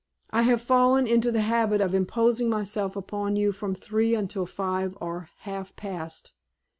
I have fallen into the habit of imposing myself upon you from three until five or half past.